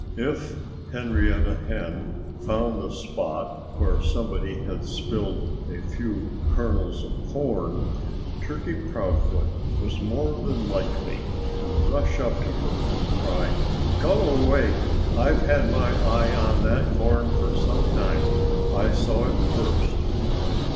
If Henrietta Hen found a spot where somebody had spilled a few kernels of corn Turkey Proudfoot was more than likely to rush up to her and cry, "Go away! I've had my eye on that corn for some time. I saw it first."